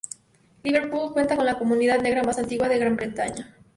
Liverpool cuenta con la comunidad negra más antigua de Gran Bretaña.